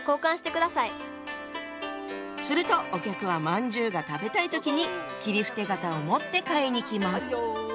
するとお客はまんじゅうが食べたい時に切符手形を持って買いに来ます。